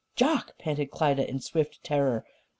"Jock!" panted Klyda in swift terror.